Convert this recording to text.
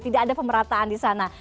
tidak ada pemerataan di sana